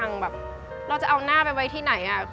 แบบเราจะเอาหน้าไปไว้ที่ไหน